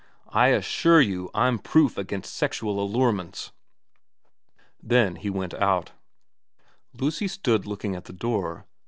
I assure you I'm proof against sexual allurements.' Then he went out. Lucy stood looking at the door.